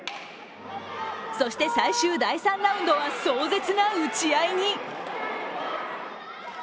そして、最終第３ラウンドは壮絶な打ち合いに。